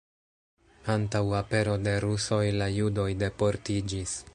Antaŭ apero de rusoj la judoj deportiĝis.